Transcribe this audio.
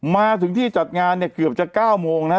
มาถึงที่จัดงานเกือบจะ๙โมงนะ